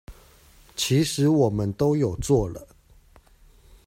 其實我們都有做了